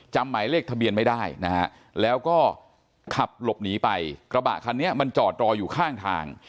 หมายเลขทะเบียนไม่ได้นะฮะแล้วก็ขับหลบหนีไปกระบะคันนี้มันจอดรออยู่ข้างทาง